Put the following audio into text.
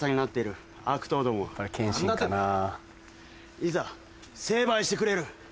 いざ成敗してくれる！